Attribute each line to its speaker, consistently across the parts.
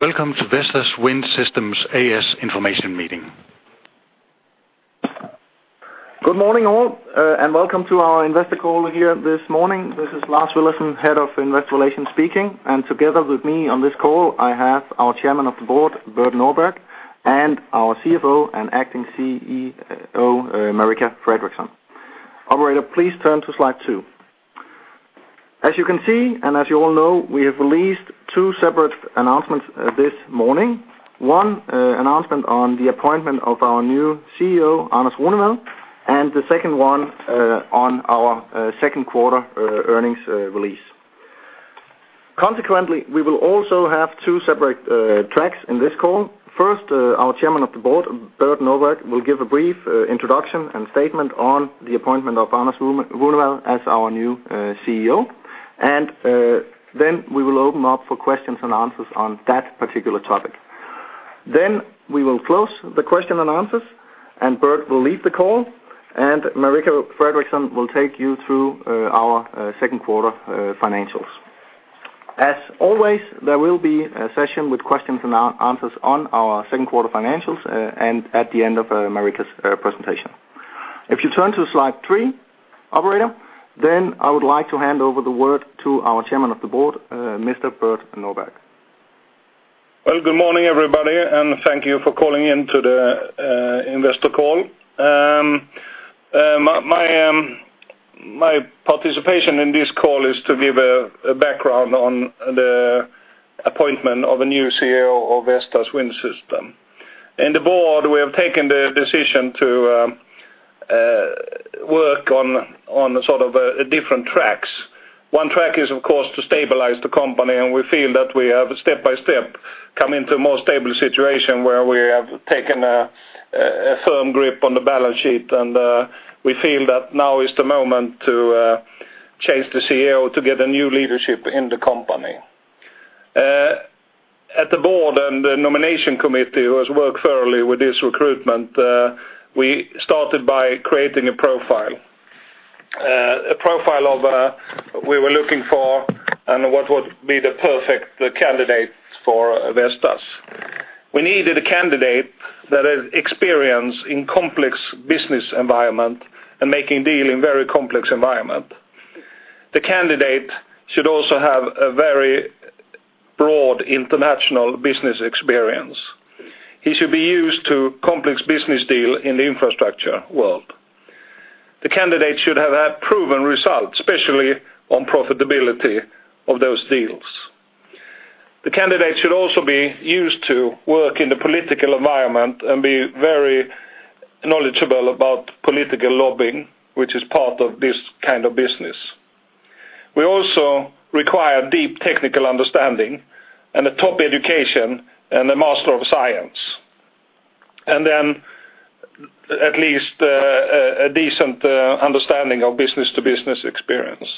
Speaker 1: Welcome to Vestas Wind Systems A/S information meeting.
Speaker 2: Good morning all, and welcome to our investor call here this morning. This is Lars Villadsen, head of investor relations speaking, and together with me on this call I have our Chairman of the Board, Bert Nordberg, and our CFO and acting CEO, Marika Fredriksson. Operator, please turn to slide two. As you can see and as you all know, we have released two separate announcements this morning. One, announcement on the appointment of our new CEO, Anders Runevad, and the second one, on our second quarter earnings release. Consequently, we will also have two separate tracks in this call. First, our Chairman of the Board, Bert Nordberg, will give a brief introduction and statement on the appointment of Anders Runevad as our new CEO, and then we will open up for questions and answers on that particular topic. Then we will close the questions and answers, and Bert will leave the call, and Marika Fredriksson will take you through our second quarter financials. As always, there will be a session with questions and answers on our second quarter financials, and at the end of Marika's presentation. If you turn to slide three, operator, then I would like to hand over the word to our Chairman of the Board, Mr. Bert Nordberg.
Speaker 3: Well, good morning everybody, and thank you for calling in to the investor call. My participation in this call is to give a background on the appointment of a new CEO of Vestas Wind Systems. In the board, we have taken the decision to work on sort of different tracks. One track is, of course, to stabilize the company, and we feel that we have, step by step, come into a more stable situation where we have taken a firm grip on the balance sheet, and we feel that now is the moment to change the CEO to get a new leadership in the company. At the board and the nomination committee who has worked thoroughly with this recruitment, we started by creating a profile of what we were looking for and what would be the perfect candidate for Vestas. We needed a candidate that has experience in complex business environment and making deal in very complex environment. The candidate should also have a very broad international business experience. He should be used to complex business deal in the infrastructure world. The candidate should have had proven results, especially on profitability of those deals. The candidate should also be used to work in the political environment and be very knowledgeable about political lobbying, which is part of this kind of business. We also require deep technical understanding and a top education and a master of science, and then at least a decent understanding of business-to-business experience.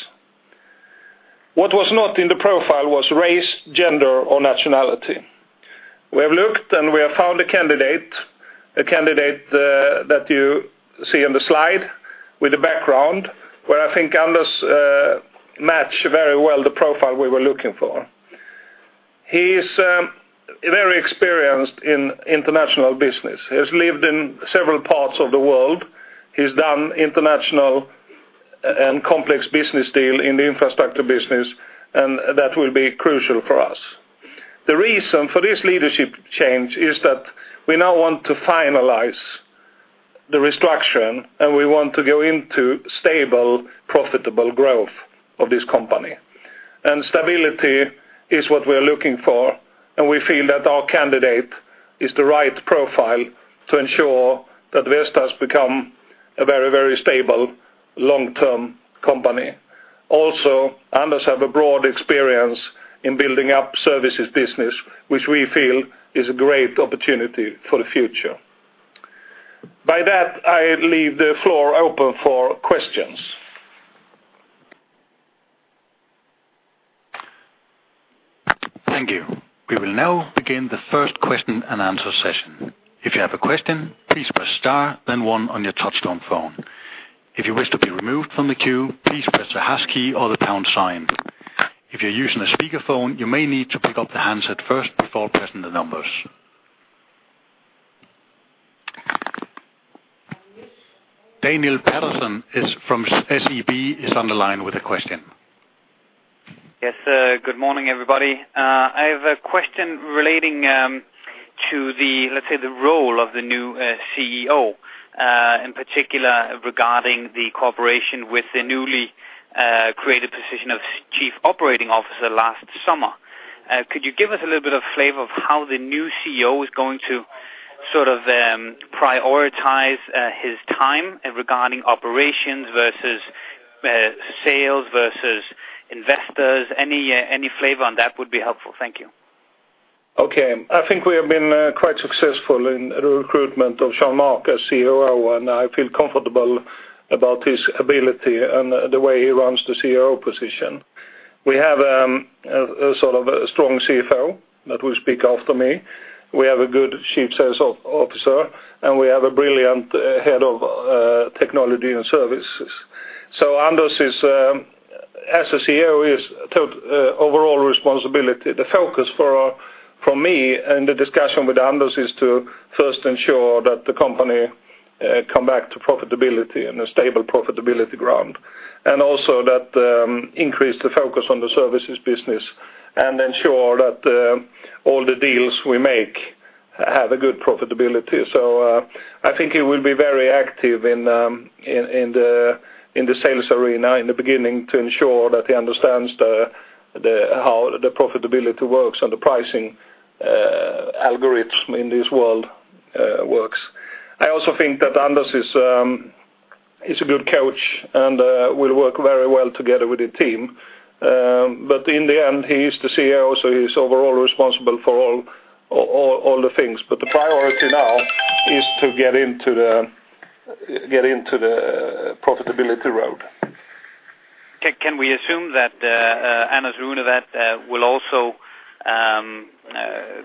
Speaker 3: What was not in the profile was race, gender, or nationality. We have looked and we have found a candidate, a candidate, that you see in the slide with the background, where I think Anders matched very well the profile we were looking for. He's very experienced in international business. He has lived in several parts of the world. He's done international and complex business deal in the infrastructure business, and that will be crucial for us. The reason for this leadership change is that we now want to finalize the restructuring, and we want to go into stable, profitable growth of this company. Stability is what we are looking for, and we feel that our candidate is the right profile to ensure that Vestas become a very, very stable, long-term company. Also, Anders has a broad experience in building up services business, which we feel is a great opportunity for the future. By that, I leave the floor open for questions.
Speaker 1: Thank you. We will now begin the first question and answer session. If you have a question, please press star, then one on your touch-tone phone. If you wish to be removed from the queue, please press the hash key or the pound sign. If you're using a speakerphone, you may need to pick up the handset first before pressing the numbers. Daniel Patterson from SEB is on the line with a question.
Speaker 4: Yes, good morning everybody. I have a question relating to the, let's say, the role of the new CEO, in particular regarding the cooperation with the newly created position of Chief Operating Officer last summer. Could you give us a little bit of flavor of how the new CEO is going to sort of prioritize his time regarding operations versus sales versus investors? Any flavor on that would be helpful. Thank you.
Speaker 3: Okay. I think we have been quite successful in the recruitment of Jean-Marc Lechêne, our COO, and I feel comfortable about his ability and the way he runs the CEO position. We have a sort of a strong CFO that will speak after me. We have a good chief sales officer, and we have a brilliant head of technology and services. So Anders is as a CEO, he has total overall responsibility. The focus for our from me in the discussion with Anders is to first ensure that the company come back to profitability and a stable profitability ground, and also that increase the focus on the services business and ensure that all the deals we make have a good profitability. So, I think he will be very active in the sales arena in the beginning to ensure that he understands how the profitability works and the pricing algorithm in this world works. I also think that Anders is a good coach and will work very well together with the team. But in the end, he is the CEO, so he's overall responsible for all the things. But the priority now is to get into the profitability road.
Speaker 4: Can we assume that Anders Runevad will also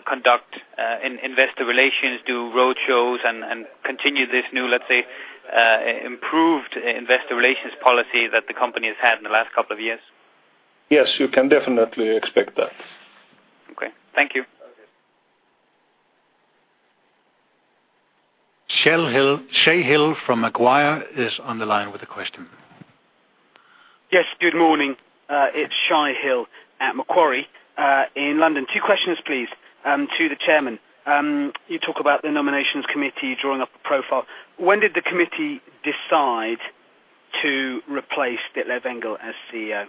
Speaker 4: conduct investor relations, do roadshows, and continue this new, let's say, improved investor relations policy that the company has had in the last couple of years?
Speaker 3: Yes, you can definitely expect that.
Speaker 4: Okay. Thank you.
Speaker 1: Shai Hill from Macquarie is on the line with a question.
Speaker 5: Yes, good morning. It's Shai Hill at Macquarie, in London. Two questions, please, to the chairman. You talk about the nominations committee drawing up a profile. When did the committee decide to replace Ditlev Engel as CEO?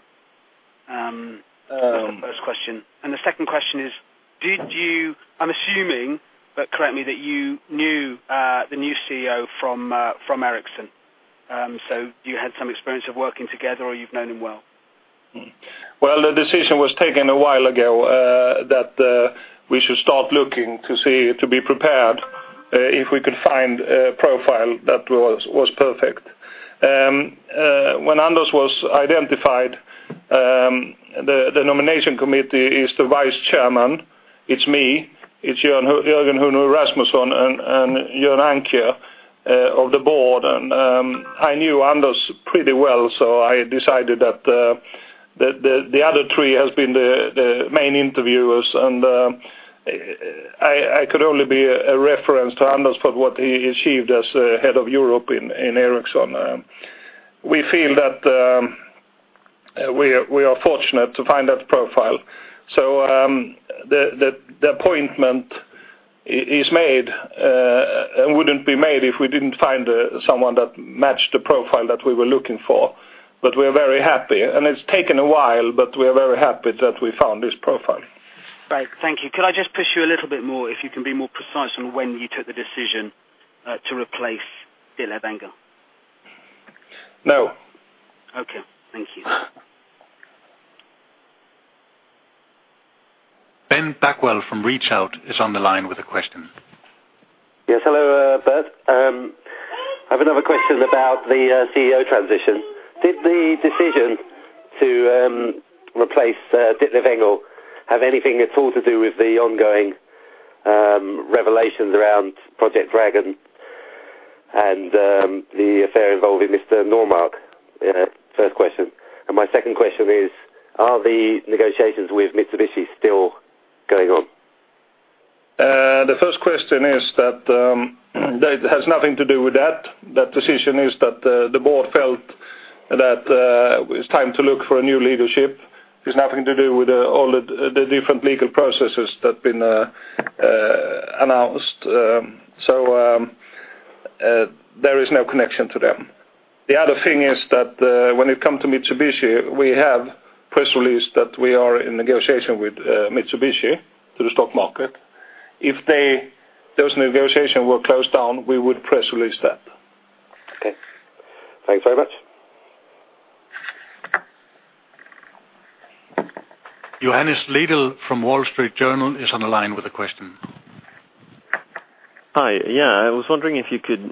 Speaker 5: That's the first question. And the second question is, did you, I'm assuming, but correct me, that you knew the new CEO from, from Ericsson. So you had some experience of working together or you've known him well?
Speaker 3: Well, the decision was taken a while ago, that we should start looking to see to be prepared, if we could find a profile that was perfect. When Anders was identified, the nomination committee is the vice chairman. It's me. It's Jørgen Huno Rasmussen and Jørn Ankær Thomsen of the board. And I knew Anders pretty well, so I decided that the other three have been the main interviewers, and I could only be a reference to Anders for what he achieved as head of Europe in Ericsson. We feel that we are fortunate to find that profile. So, the appointment is made, and wouldn't be made if we didn't find someone that matched the profile that we were looking for. But we are very happy. It's taken a while, but we are very happy that we found this profile.
Speaker 5: Right. Thank you. Could I just push you a little bit more if you can be more precise on when you took the decision, to replace Ditlev Engel?
Speaker 3: No.
Speaker 5: Okay. Thank you.
Speaker 1: Ben Backwell from Recharge is on the line with a question.
Speaker 6: Yes. Hello, Bert. I have another question about the CEO transition. Did the decision to replace Ditlev Engel have anything at all to do with the ongoing revelations around Project Dragon and the affair involving Mr. Nørremark? First question. And my second question is, are the negotiations with Mitsubishi still going on?
Speaker 3: The first question is that it has nothing to do with that. That decision is that the board felt that it's time to look for a new leadership. It's nothing to do with all the different legal processes that have been announced. So, there is no connection to them. The other thing is that when it comes to Mitsubishi, we have press released that we are in negotiation with Mitsubishi to the stock market. If those negotiations were closed down, we would press release that.
Speaker 6: Okay. Thanks very much.
Speaker 1: Jens Hansegard from Wall Street Journal is on the line with a question.
Speaker 7: Hi. Yeah. I was wondering if you could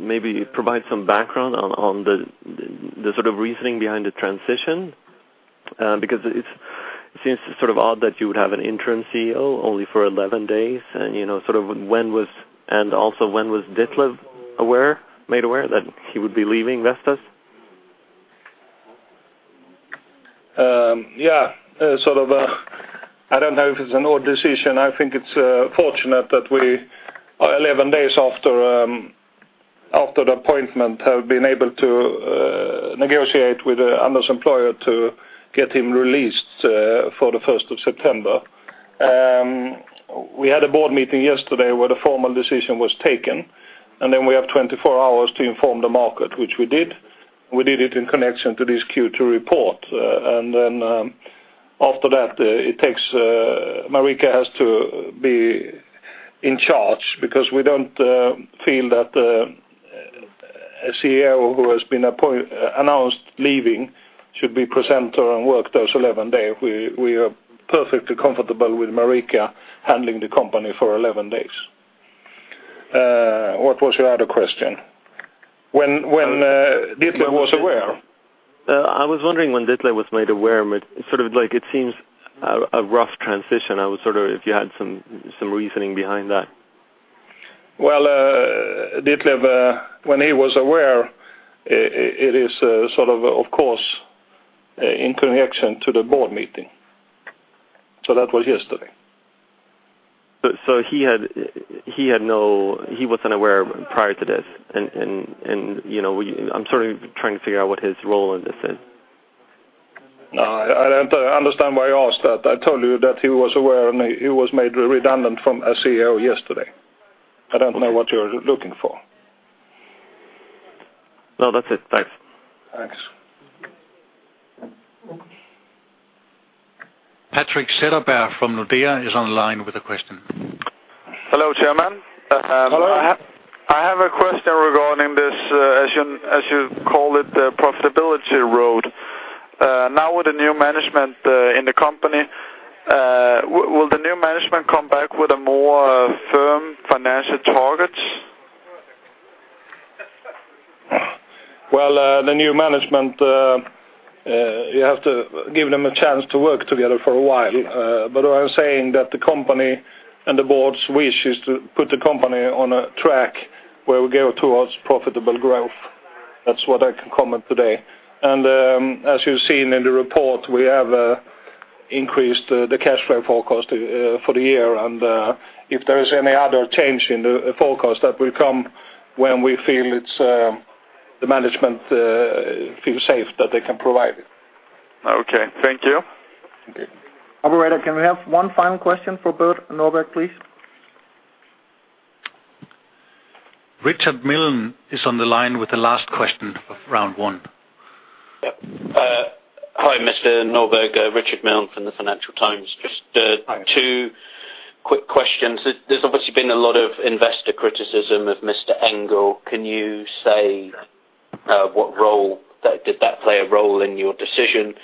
Speaker 7: maybe provide some background on the sort of reasoning behind the transition, because it seems sort of odd that you would have an interim CEO only for 11 days. And, you know, sort of when was and also when was Ditlev made aware that he would be leaving Vestas?
Speaker 3: Yeah. Sort of, I don't know if it's an odd decision. I think it's fortunate that we are 11 days after the appointment and have been able to negotiate with Anders' employer to get him released for the 1st of September. We had a board meeting yesterday where the formal decision was taken, and then we have 24 hours to inform the market, which we did. We did it in connection to this Q2 report. And then, after that, Marika has to be in charge because we don't feel that a CEO who has been appointed announced leaving should be present there and work those 11 days. We are perfectly comfortable with Marika handling the company for 11 days. What was your other question? When was Ditlev aware?
Speaker 7: I was wondering when Ditlev was made aware, my sort of, like, it seems a rough transition. I was sort of if you had some reasoning behind that.
Speaker 3: Well, Ditlev, when he was aware, it is, sort of, of course, in connection to the board meeting. So that was yesterday.
Speaker 7: So, he had no, he wasn't aware prior to this. And, you know, I'm sort of trying to figure out what his role in this is.
Speaker 3: No, I, I don't understand why you asked that. I told you that he was aware and he was made redundant from a CEO yesterday. I don't know what you're looking for.
Speaker 7: No, that's it. Thanks.
Speaker 3: Thanks.
Speaker 1: Patrik Setterberg from Nordea is on the line with a question.
Speaker 3: Hello, Chairman. I have a question regarding this, as you call it, the profitability road. Now with the new management in the company, will the new management come back with more firm financial targets? Well, the new management, you have to give them a chance to work together for a while. What I'm saying that the company and the board's wish is to put the company on a track where we go towards profitable growth. That's what I can comment today. As you've seen in the report, we have increased the cash flow forecast for the year. If there is any other change in the forecast, that will come when we feel it's safe that the management feel safe that they can provide it.
Speaker 8: Okay. Thank you.
Speaker 3: Thank you.
Speaker 2: Operator, can we have one final question for Bert Nordberg, please?
Speaker 1: Richard Milne is on the line with the last question of round one.
Speaker 9: Yeah. Hi, Mr. Nordberg. Richard Milne from The Financial Times. Just,
Speaker 3: Hi.
Speaker 9: Two quick questions. There's obviously been a lot of investor criticism of Mr. Engel. Can you say what role did that play a role in your decision?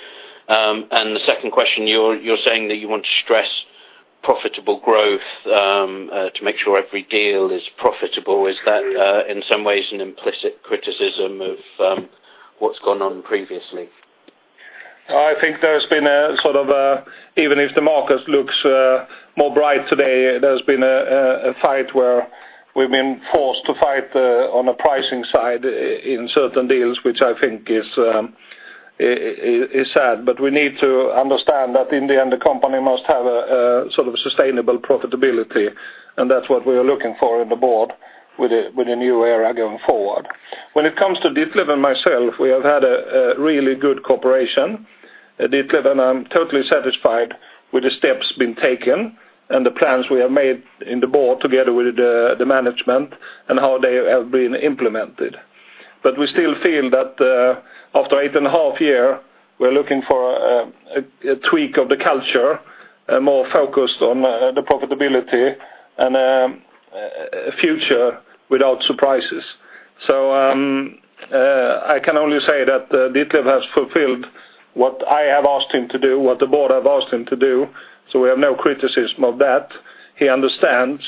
Speaker 9: And the second question, you're saying that you want to stress profitable growth, to make sure every deal is profitable. Is that, in some ways, an implicit criticism of what's gone on previously?
Speaker 3: I think there's been a sort of, even if the market looks more bright today, there's been a fight where we've been forced to fight on the pricing side in certain deals, which I think is sad. But we need to understand that in the end, the company must have a sort of sustainable profitability, and that's what we are looking for in the board with the new era going forward. When it comes to Ditlev and myself, we have had a really good cooperation. Ditlev and I'm totally satisfied with the steps been taken and the plans we have made in the board together with the management and how they have been implemented. But we still feel that, after 8.5 years, we're looking for a tweak of the culture, more focused on the profitability and a future without surprises. So, I can only say that Ditlev has fulfilled what I have asked him to do, what the board have asked him to do. So we have no criticism of that. He understands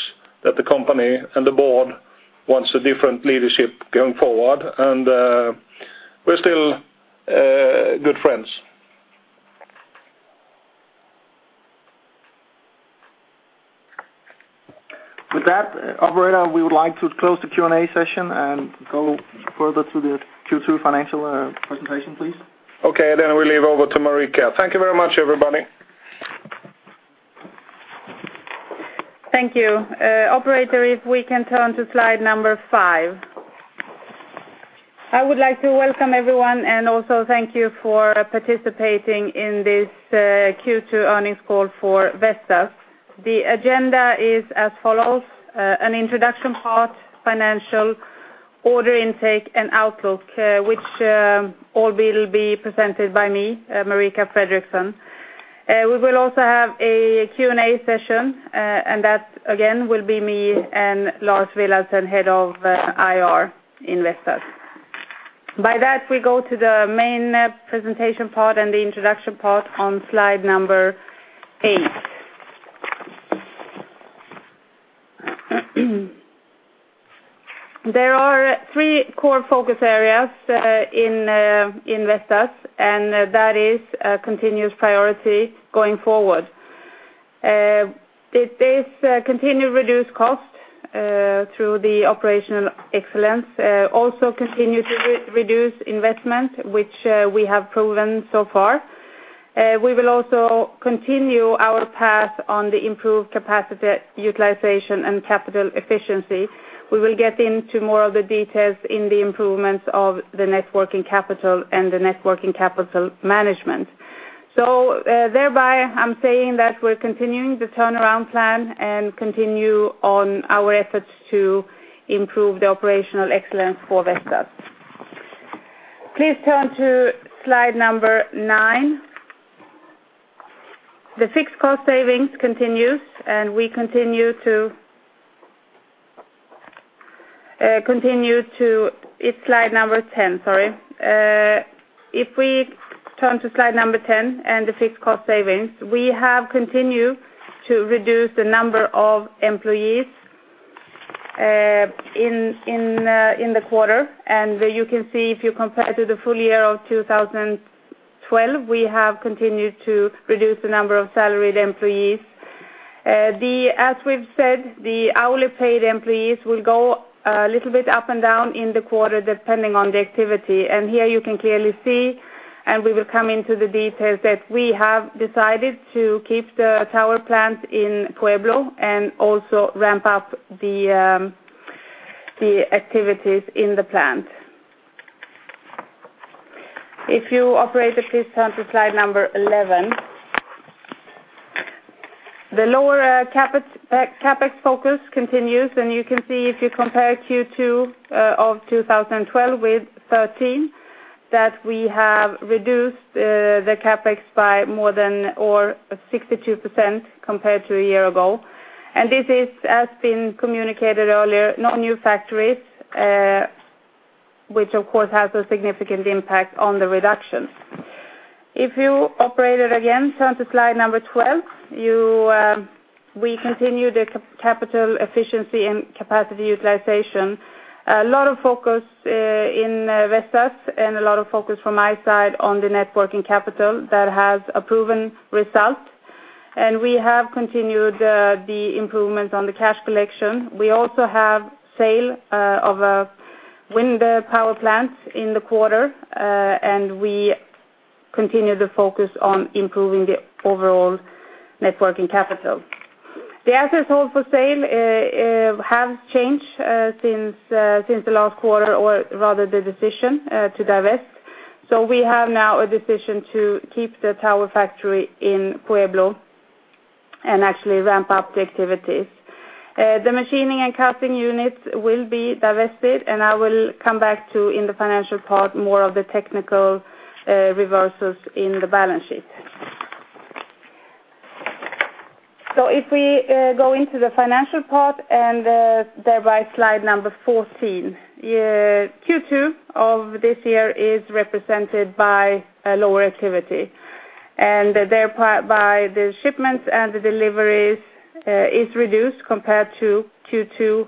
Speaker 3: that the company and the board wants a different leadership going forward, and we're still good friends.
Speaker 9: With that, Operator, we would like to close the Q&A session and go further to the Q2 financial presentation, please.
Speaker 3: Okay. We leave over to Marika. Thank you very much, everybody.
Speaker 10: Thank you. Operator, if we can turn to slide number 5. I would like to welcome everyone and also thank you for participating in this Q2 earnings call for Vestas. The agenda is as follows, an introduction part, financial, order intake, and outlook, which all will be presented by me, Marika Fredriksson. We will also have a Q&A session, and that, again, will be me and Lars Villadsen, head of IR in Vestas. By that, we go to the main presentation part and the introduction part on slide number 8. There are three core focus areas in Vestas, and that is continuous priority going forward. It is continue reduced cost through the operational excellence, also continue to re-reduce investment, which we have proven so far. We will also continue our path on the improved capacity utilization and capital efficiency. We will get into more of the details in the improvements of the net working capital and the net working capital management. So, thereby, I'm saying that we're continuing the turnaround plan and continue on our efforts to improve the operational excellence for Vestas. Please turn to slide number 9. The fixed cost savings continues, and we continue to it's slide number 10, sorry. If we turn to slide number 10 and the fixed cost savings, we have continued to reduce the number of employees in the quarter. And you can see if you compare to the full year of 2012, we have continued to reduce the number of salaried employees. As we've said, the hourly paid employees will go a little bit up and down in the quarter depending on the activity. And here you can clearly see, and we will come into the details, that we have decided to keep the tower plant in Pueblo and also ramp up the activities in the plant. Operator, please turn to slide number 11. The lower CapEx focus continues, and you can see if you compare Q2 of 2012 with 2013, that we have reduced the CapEx by more than 62% compared to a year ago. And this is, as has been communicated earlier, no new factories, which, of course, has a significant impact on the reduction. Operator, again, turn to slide number 12. We continue the capital efficiency and capacity utilization. A lot of focus in Vestas and a lot of focus from my side on the net working capital that has a proven result. And we have continued the improvements on the cash collection. We also have sale of a wind power plant in the quarter, and we continue the focus on improving the overall net working capital. The assets held for sale have changed since the last quarter or rather the decision to divest. So we have now a decision to keep the tower factory in Pueblo and actually ramp up the activities. The machining and casting units will be divested, and I will come back to in the financial part more of the technical reversals in the balance sheet. So if we go into the financial part and thereby slide number 14, Q2 of this year is represented by a lower activity. And thereby the shipments and the deliveries is reduced compared to Q2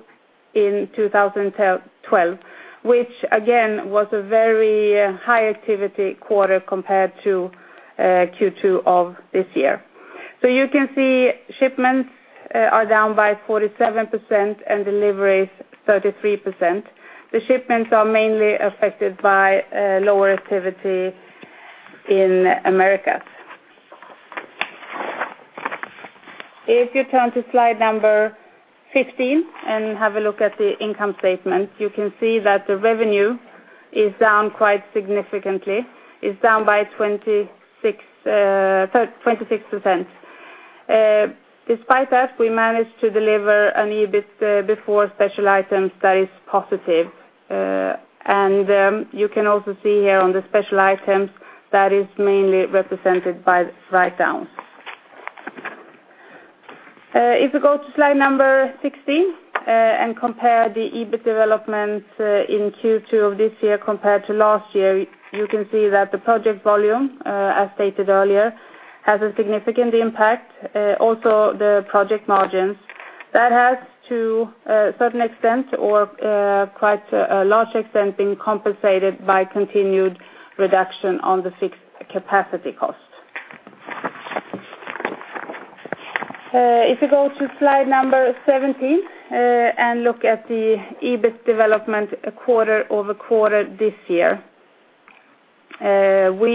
Speaker 10: in 2012, which again was a very high activity quarter compared to Q2 of this year. So you can see shipments are down by 47% and deliveries 33%. The shipments are mainly affected by lower activity in Americas. If you turn to slide number 15 and have a look at the income statement, you can see that the revenue is down quite significantly, is down by 26, 26%. Despite that, we managed to deliver an EBIT before special items that is positive. And you can also see here on the special items that is mainly represented by write-downs. If we go to slide number 16 and compare the EBIT development in Q2 of this year compared to last year, you can see that the project volume, as stated earlier, has a significant impact, also the project margins. That has to certain extent or quite a large extent been compensated by continued reduction on the fixed capacity cost. If we go to slide 17 and look at the EBIT development quarter-over-quarter this year, we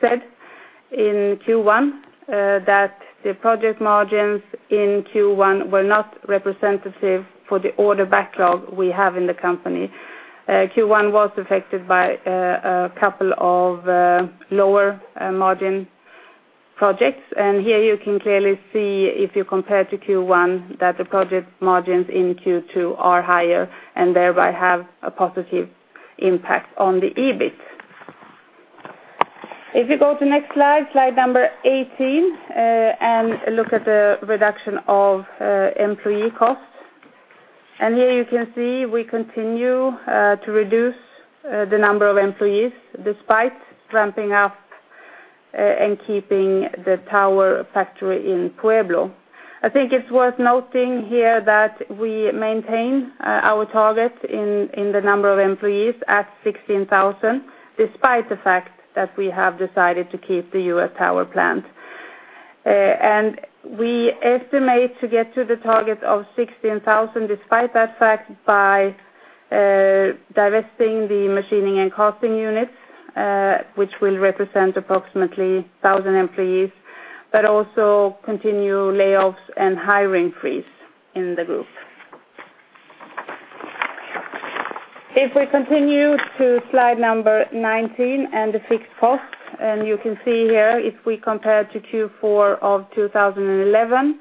Speaker 10: said in Q1 that the project margins in Q1 were not representative for the order backlog we have in the company. Q1 was affected by a couple of lower-margin projects. And here you can clearly see if you compare to Q1 that the project margins in Q2 are higher and thereby have a positive impact on the EBIT. If you go to next slide, slide 18, and look at the reduction of employee cost. And here you can see we continue to reduce the number of employees despite ramping up and keeping the tower factory in Pueblo. I think it's worth noting here that we maintain our target in the number of employees at 16,000 despite the fact that we have decided to keep the US tower plant. We estimate to get to the target of 16,000 despite that fact by divesting the machining and costing units, which will represent approximately 1,000 employees, but also continue layoffs and hiring freeze in the group. If we continue to slide number 19 and the fixed cost, and you can see here if we compare to Q4 of 2011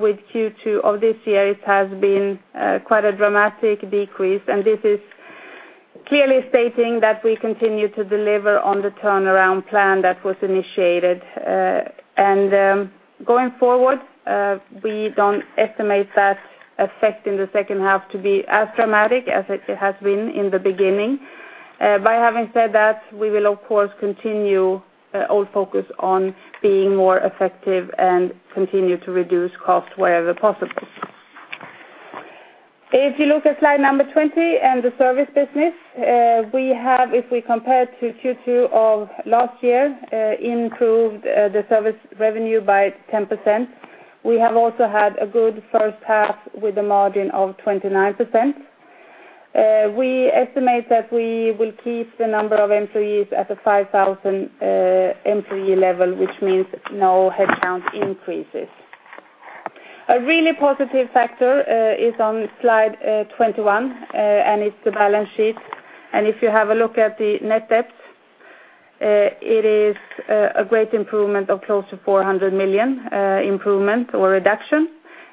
Speaker 10: with Q2 of this year, it has been quite a dramatic decrease. And this is clearly stating that we continue to deliver on the turnaround plan that was initiated. Going forward, we don't estimate that effect in the second half to be as dramatic as it has been in the beginning. By having said that, we will, of course, continue all focus on being more effective and continue to reduce cost wherever possible. If you look at slide 20 and the service business, we have, if we compare to Q2 of last year, improved the service revenue by 10%. We have also had a good first half with a margin of 29%. We estimate that we will keep the number of employees at the 5,000-employee level, which means no headcount increases. A really positive factor is on slide 21, and it's the balance sheet. If you have a look at the net debt, it is a great improvement of close to 400 million improvement or reduction.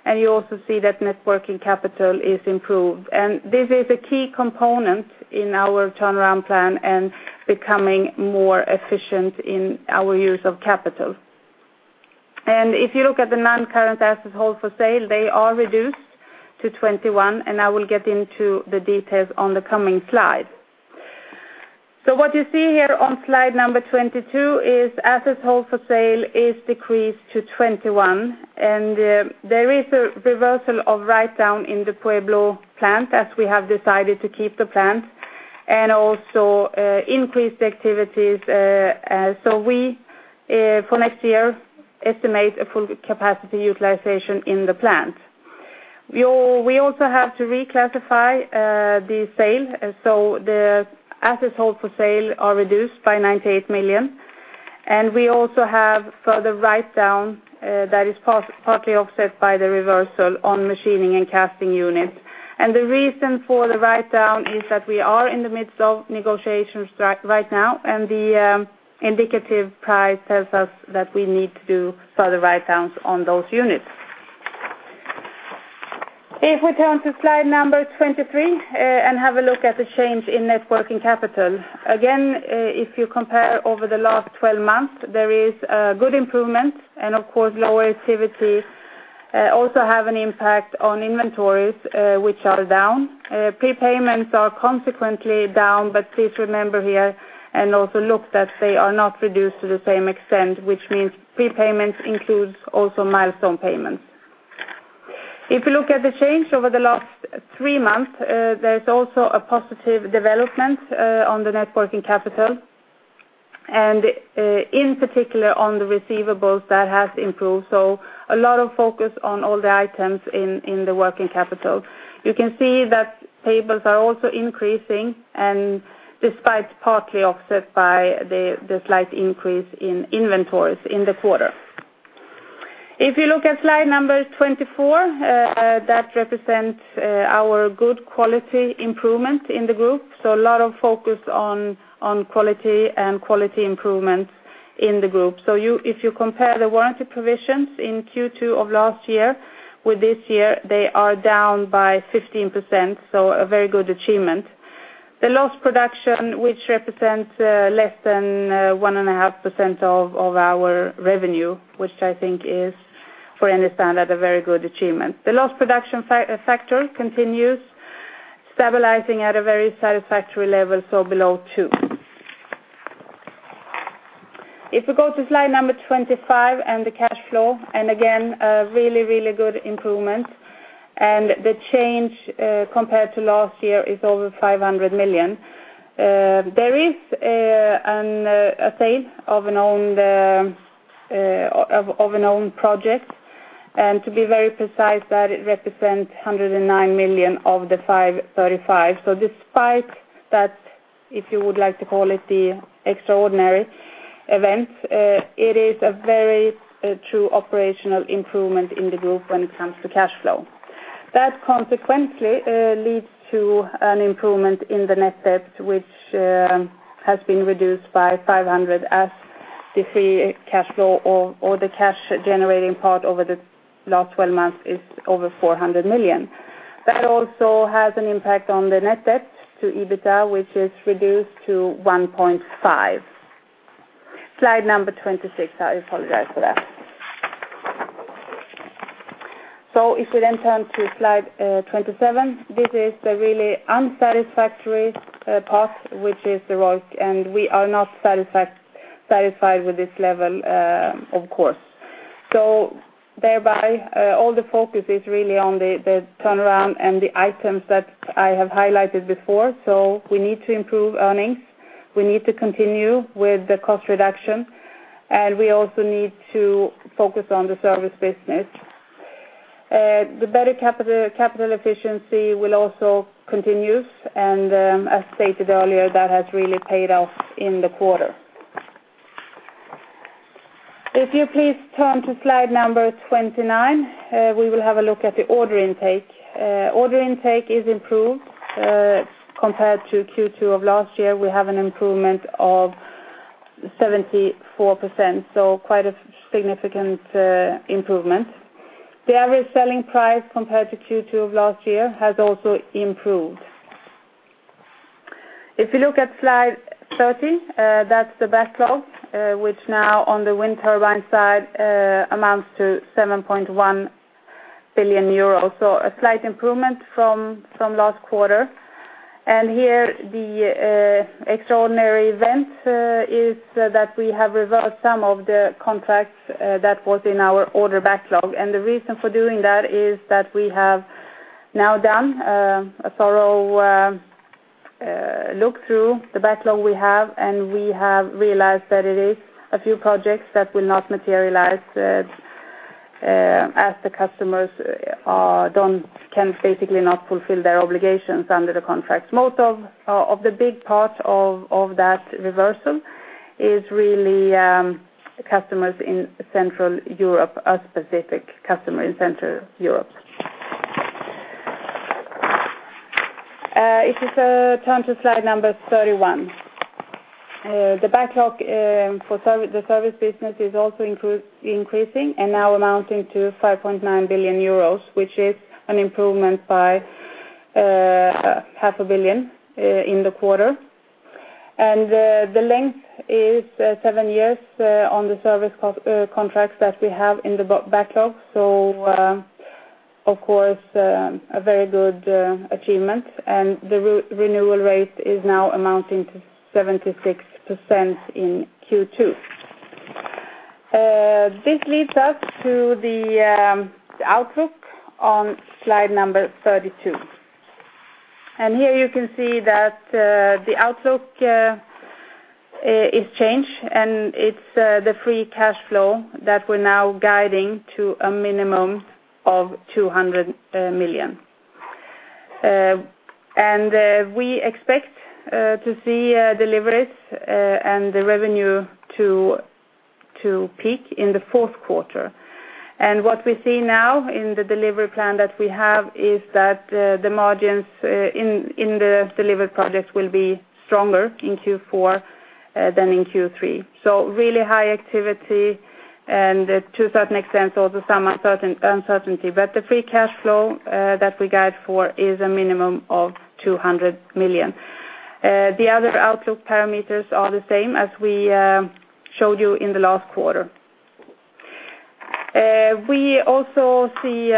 Speaker 10: You also see that net working capital is improved. This is a key component in our turnaround plan and becoming more efficient in our use of capital. And if you look at the non-current assets held for sale, they are reduced to 21 million, and I will get into the details on the coming slide. So what you see here on slide number 22 is assets held for sale is decreased to 21 million. And there is a reversal of write-down in the Pueblo plant as we have decided to keep the plant and also increased activities, so we for next year estimate a full capacity utilization in the plant. We also have to reclassify the sale. So the assets held for sale are reduced by 98 million. And we also have further write-down that is partly offset by the reversal on machining and casting units. The reason for the write-down is that we are in the midst of negotiations right now, and the indicative price tells us that we need to do further write-downs on those units. If we turn to slide number 23, and have a look at the change in net working capital. Again, if you compare over the last 12 months, there is a good improvement and, of course, lower activity also have an impact on inventories, which are down. Prepayments are consequently down, but please remember here and also look that they are not reduced to the same extent, which means prepayments includes also milestone payments. If you look at the change over the last 3 months, there's also a positive development on the net working capital. And, in particular, on the receivables, that has improved. So a lot of focus on all the items in the working capital. You can see that payables are also increasing and despite partly offset by the slight increase in inventories in the quarter. If you look at slide 24, that represents our good quality improvement in the group. So a lot of focus on quality and quality improvements in the group. So, if you compare the warranty provisions in Q2 of last year with this year, they are down by 15%, so a very good achievement. The loss production, which represents less than 1.5% of our revenue, which I think is for any standard a very good achievement. The loss production factor continues stabilizing at a very satisfactory level, so below 2. If we go to slide 25 and the cash flow, and again a really, really good improvement. The change compared to last year is over 500 million. There is a sale of an owned project. And to be very precise, that represents 109 million of the 535 million. So despite that, if you would like to call it the extraordinary event, it is a very true operational improvement in the group when it comes to cash flow. That consequently leads to an improvement in the net debt, which has been reduced by 500 million as the free cash flow or the cash generating part over the last 12 months is over 400 million. That also has an impact on the net debt to EBITDA, which is reduced to 1.5. Slide number 26. I apologize for that. So if we then turn to slide 27, this is the really unsatisfactory part, which is the ROIC, and we are not satisfied with this level, of course. Thereby, all the focus is really on the turnaround and the items that I have highlighted before. We need to improve earnings. We need to continue with the cost reduction. We also need to focus on the service business. The better capital efficiency will also continue. As stated earlier, that has really paid off in the quarter. If you please turn to slide number 29, we will have a look at the order intake. Order intake is improved, compared to Q2 of last year. We have an improvement of 74%, so quite a significant improvement. The average selling price compared to Q2 of last year has also improved. If you look at slide 30, that's the backlog, which now on the wind turbine side amounts to 7.1 billion euros. So a slight improvement from last quarter. And here the extraordinary event is that we have reversed some of the contracts that was in our order backlog. And the reason for doing that is that we have now done a thorough look through the backlog we have, and we have realized that it is a few projects that will not materialize, as the customers are don't can basically not fulfill their obligations under the contract's motive. Of the big part of that reversal is really customers in Central Europe, a specific customer in Central Europe. If you turn to slide 31, the backlog for service the service business is also increasing and now amounting to 5.9 billion euros, which is an improvement by 0.5 billion in the quarter. And the length is seven years on the service cost contracts that we have in the backlog. So, of course, a very good achievement. The renewal rate is now amounting to 76% in Q2. This leads us to the outlook on slide 32. And here you can see that the outlook is changed, and it's the free cash flow that we're now guiding to a minimum of 200 million. And we expect to see deliveries and the revenue to peak in the fourth quarter. And what we see now in the delivery plan that we have is that the margins in the delivered projects will be stronger in Q4 than in Q3. So really high activity and, to a certain extent, also some uncertainty. But the free cash flow that we guide for is a minimum of 200 million. The other outlook parameters are the same as we showed you in the last quarter. We also see,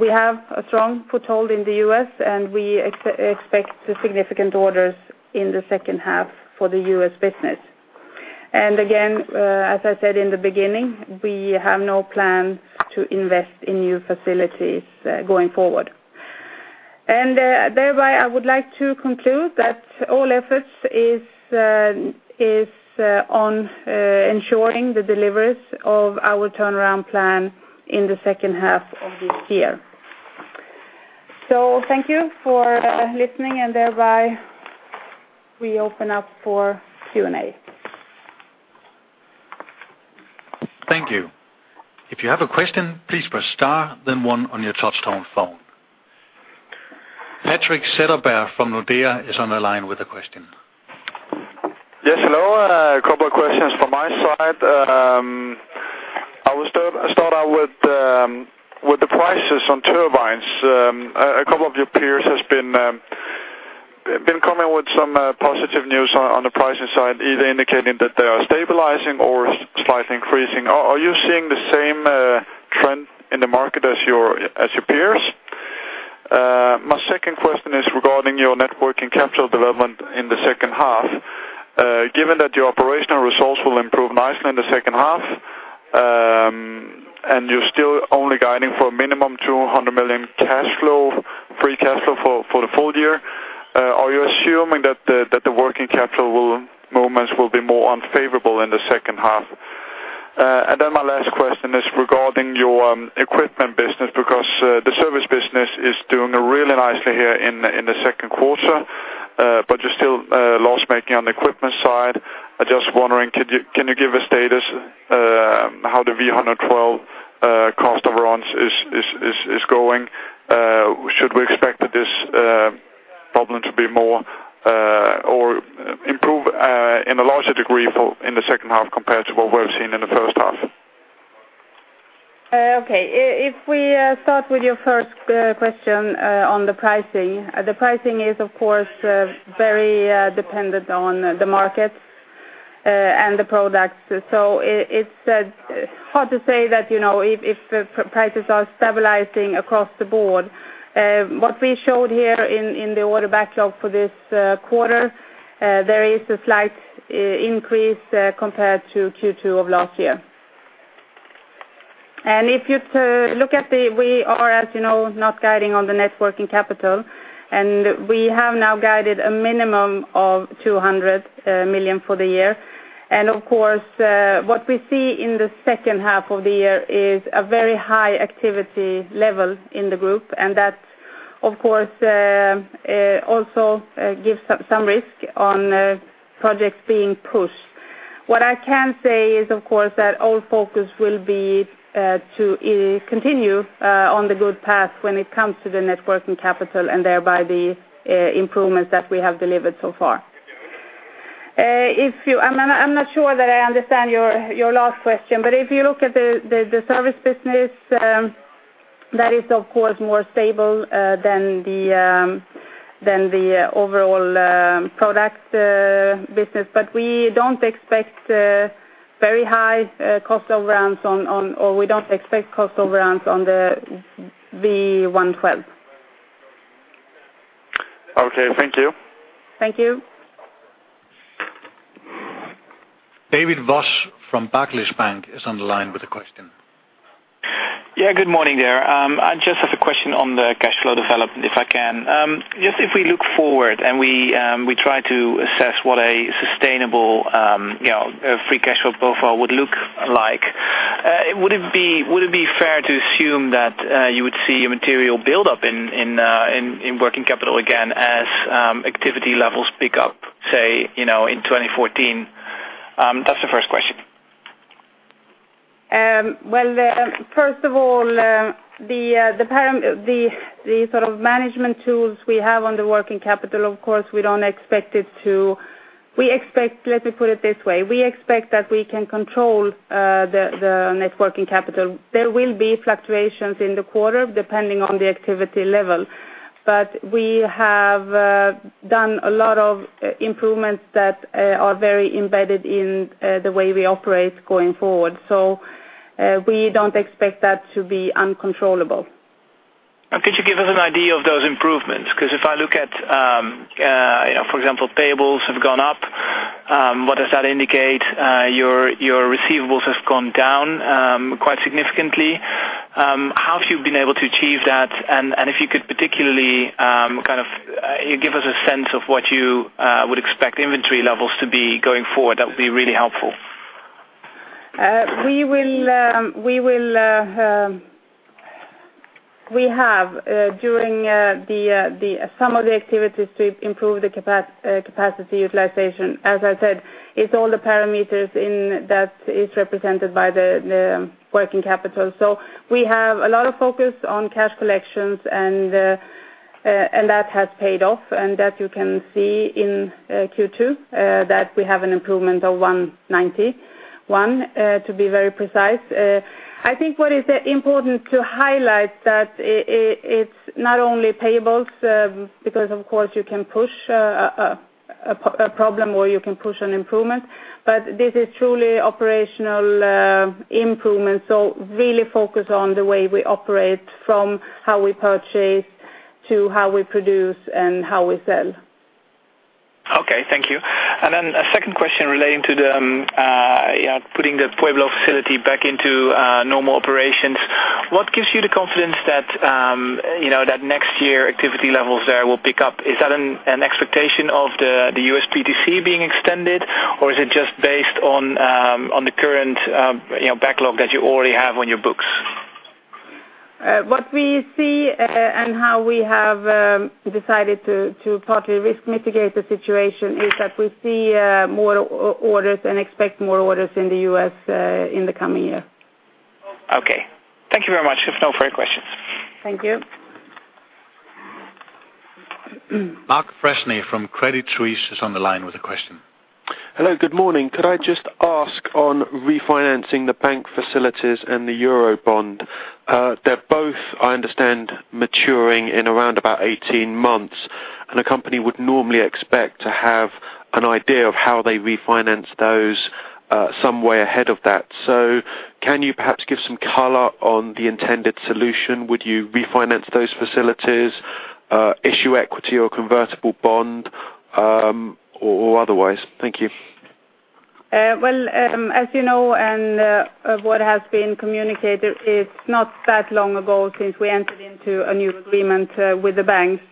Speaker 10: we have a strong foothold in the U.S., and we expect significant orders in the second half for the U.S. business. Again, as I said in the beginning, we have no plan to invest in new facilities going forward. Thereby, I would like to conclude that all efforts is on ensuring the deliveries of our turnaround plan in the second half of this year. So thank you for listening, and thereby we open up for Q&A. Thank you. If you have a question, please press star then one on your touch-tone phone. Patrik Setterberg from Nordea is on the line with a question. Yes, hello. A couple of questions from my side. I will start out with the prices on turbines. A couple of your peers have been coming with some positive news on the pricing side, either indicating that they are stabilizing or slightly increasing. Are you seeing the same trend in the market as your peers? My second question is regarding your net working capital development in the second half. Given that your operational results will improve nicely in the second half, and you're still only guiding for a minimum 200 million free cash flow for the full year, are you assuming that the working capital movements will be more unfavorable in the second half? And then my last question is regarding your equipment business because the service business is doing really nicely here in the second quarter, but you're still loss-making on the equipment side. I'm just wondering, could you give a status on how the V112 cost overrun is going? Should we expect that this problem to be more, or improve, in a larger degree in the second half compared to what we have seen in the first half? Okay. If we start with your first question on the pricing, the pricing is, of course, very dependent on the markets and the products. So it's hard to say that, you know, if the prices are stabilizing across the board. What we showed here in the order backlog for this quarter, there is a slight increase compared to Q2 of last year. And if you look at, we are, as you know, not guiding on the net working capital, and we have now guided a minimum of 200 million for the year. Of course, what we see in the second half of the year is a very high activity level in the group, and that, of course, also gives some risk on projects being pushed. What I can say is, of course, that all focus will be to continue on the good path when it comes to the net working capital and thereby the improvements that we have delivered so far. If you – I'm not – I'm not sure that I understand your last question, but if you look at the service business, that is, of course, more stable than the overall product business. But we don't expect very high cost overruns on – or we don't expect cost overruns on the V112. Okay. Thank you. Thank you. David Vos from Barclays is on the line with a question. Yeah. Good morning there.
Speaker 11: I just have a question on the cash flow development, if I can. Just if we look forward and we try to assess what a sustainable, you know, a free cash flow profile would look like, would it be fair to assume that you would see a material buildup in working capital again as activity levels pick up, say, you know, in 2014? That's the first question. Well, first of all, the parameters, the sort of management tools we have on the working capital, of course, we don't expect it to. We expect, let me put it this way. We expect that we can control the net working capital. There will be fluctuations in the quarter depending on the activity level. But we have done a lot of improvements that are very embedded in the way we operate going forward. So, we don't expect that to be uncontrollable. And could you give us an idea of those improvements? Because if I look at, you know, for example, payables have gone up. What does that indicate? Your, your receivables have gone down, quite significantly. How have you been able to achieve that? And, and if you could particularly, kind of, give us a sense of what you would expect inventory levels to be going forward, that would be really helpful.
Speaker 10: We have, during some of the activities to improve the capacity utilization. As I said, it's all the parameters in that is represented by the working capital. So we have a lot of focus on cash collections, and that has paid off. And that you can see in Q2, that we have an improvement of 191, to be very precise. I think what is important to highlight that it's not only payables, because, of course, you can push a problem or you can push an improvement. But this is truly operational improvement. So really focus on the way we operate from how we purchase to how we produce and how we sell.
Speaker 11: Okay. Thank you. And then a second question relating to the, you know, putting the Pueblo facility back into normal operations. What gives you the confidence that, you know, that next year activity levels there will pick up? Is that an expectation of the USPTC being extended, or is it just based on the current, you know, backlog that you already have on your books?
Speaker 10: What we see, and how we have decided to partly risk mitigate the situation, is that we see more orders and expect more orders in the US in the coming year.
Speaker 11: Okay. Thank you very much. If no further questions.
Speaker 1: Thank you. Mark Freshney from Credit Suisse is on the line with a question.
Speaker 12: Hello. Good morning. Could I just ask on refinancing the bank facilities and the Eurobond? They're both, I understand, maturing in around about 18 months. And a company would normally expect to have an idea of how they refinance those, some way ahead of that. So can you perhaps give some color on the intended solution? Would you refinance those facilities, issue equity or convertible bond, or otherwise?
Speaker 10: Thank you. Well, as you know and what has been communicated, it's not that long ago since we entered into a new agreement with the banks.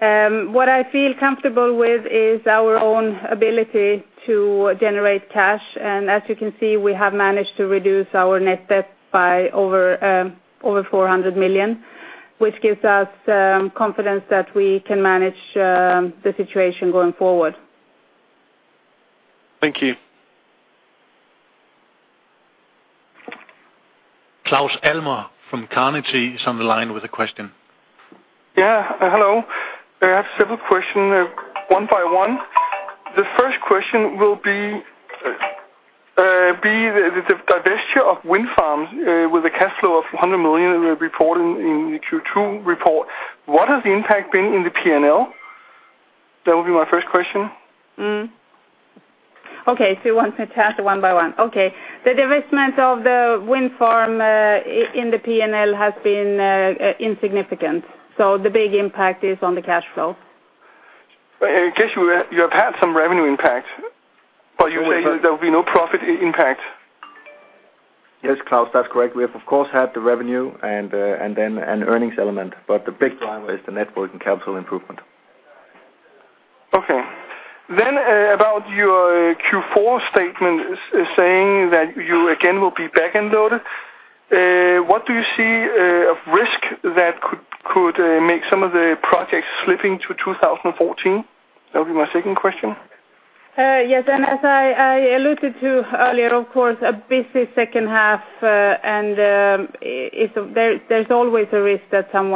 Speaker 10: What I feel comfortable with is our own ability to generate cash. And as you can see, we have managed to reduce our net debt by over 400 million, which gives us confidence that we can manage the situation going forward.
Speaker 1: Thank you. Claus Almer from Carnegie is on the line with a question.
Speaker 13: Yeah. Hello. I have several questions, one by one. The first question will be the divestiture of wind farms with a cash flow of 100 million reported in the Q2 report. What has the impact been in the P&L? That would be my first question. Okay. So you want me to answer one by one?
Speaker 10: Okay. The divestment of the wind farm in the P&L has been insignificant. So the big impact is on the cash flow. In case you have had some revenue impact, but you say that there will be no profit impact. Yes, Klaus. That's correct. We have, of course, had the revenue and then an earnings element. But the big driver is the net working capital improvement.
Speaker 13: Okay. Then, about your Q4 statement saying that you again will be backend loaded, what do you see of risk that could make some of the projects slipping to 2014? That would be my second question.
Speaker 10: Yes. And as I alluded to earlier, of course, a busy second half, and it's, there's always a risk that some